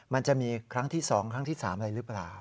มันจะมีครั้งที่๒ครั้งที่๓อะไรหรือเปล่า